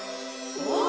お！